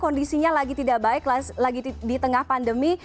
kondisinya lagi tidak baik lagi di tengah pandemi